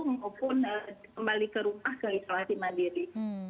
maupun kembali ke rumah ke isolasi mandiri